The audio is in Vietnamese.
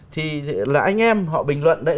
thì là anh em họ bình luận đấy